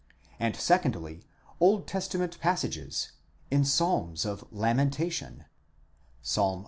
and secondly, Old Testament passages, in Psalms of lamentation, xlii.